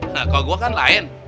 nah kalau gue kan lain